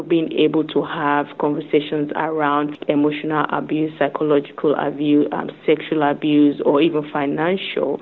tapi juga bisa berbicara tentang keguguran emosional keguguran psikologi keguguran seksual atau bahkan keguguran finansial